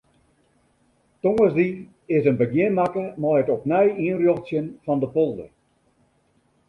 Tongersdei is in begjin makke mei it opnij ynrjochtsjen fan de polder.